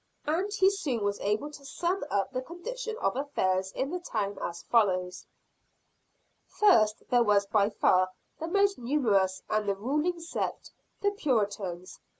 And he soon was able to sum up the condition of affairs in the town as follows: First, there was by far the most numerous and the ruling sect, the Puritans.